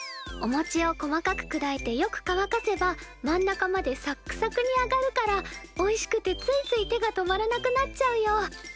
お餅を細かくくだいてよくかわかせば真ん中までサックサクにあがるからおいしくてついつい手が止まらなくなっちゃうよ。